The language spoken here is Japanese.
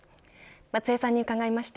松江さんに伺いました。